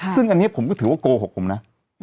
ซึ่งอันนี้ผมก็ถือว่าโกหกผมนะ